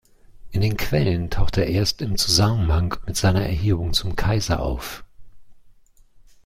In den Quellen taucht er erst in Zusammenhang mit seiner Erhebung zum Kaiser auf.